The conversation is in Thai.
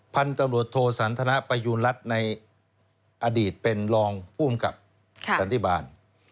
พันธุ์ตำรวจโทสันทนประยูณรัฐในอดีตเป็นรองผู้กำกับสันติบาล